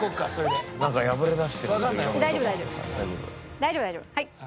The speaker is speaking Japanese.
大丈夫大丈夫はい。